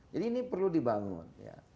jadi ini perlu dibangun